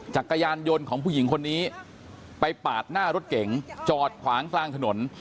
จักรยานยนต์ของผู้หญิงคนนี้ไปปาดหน้ารถเก๋งจอดขวางกลางถนน